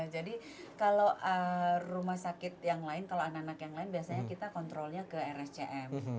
jadi kalau rumah sakit yang lain kalau anak anak yang lain biasanya kita kontrolnya ke rscm